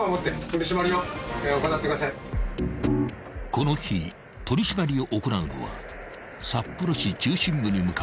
［この日取り締まりを行うのは札幌市中心部に向かう幹線道路］